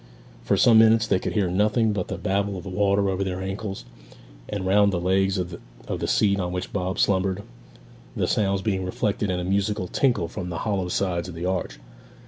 For some minutes they could hear nothing but the babble of the water over their ankles, and round the legs of the seat on which Bob slumbered, the sounds being reflected in a musical tinkle from the hollow sides of the arch.